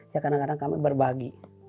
ya kadang kadang kami berbagi